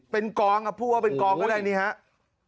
เป็นกองพูดว่าเป็นกองก็ได้นี่ครับ